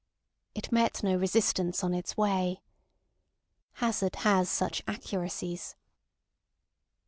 It met no resistance on its way. Hazard has such accuracies.